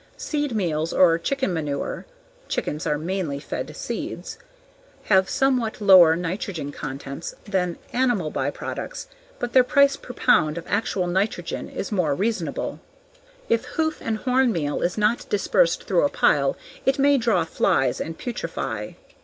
Seed meals or chicken manure (chickens are mainly fed seeds) have somewhat lower nitrogen contents than animal byproducts but their price per pound of actual nutrition is more reasonable. If hoof and horn meal is not dispersed through a pile it may draw flies and putrefy.